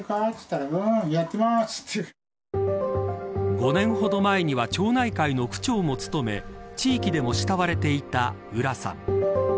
５年ほど前には町内会の区長も務め地域でも慕われていた浦さん。